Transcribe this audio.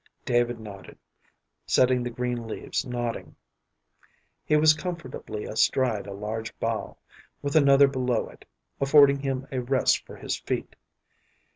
David nodded, setting the green leaves nodding. He was comfortably astride a large bough, with another below it, affording him a rest for his feet.